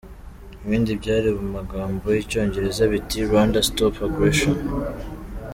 Ibindi byari mu magambo y’icyongereza biti: "Rwanda Stop Agression".